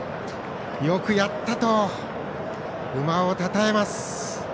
よくやった！と馬をたたえます。